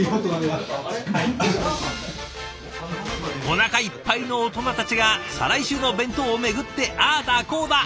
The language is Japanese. おなかいっぱいのオトナたちが再来週の弁当を巡ってああだこうだ。